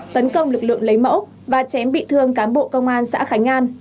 tấn công lực lượng lấy mẫu và chém bị thương cán bộ công an xã khánh an